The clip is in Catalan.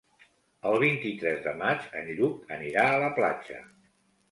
El vint-i-tres de maig en Lluc anirà a la platja.